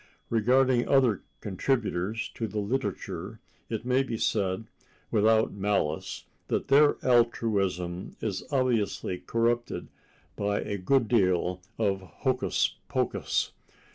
Regarding other contributors to the literature it may be said without malice that their altruism is obviously corrupted by a good deal of hocus pocus.